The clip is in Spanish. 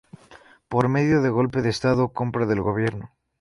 Por medio de golpe de estado o compra del gobierno.